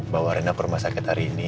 bawa rena ke rumah sakit hari ini